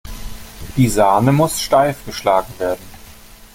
Die Sahne muss steif geschlagen werden.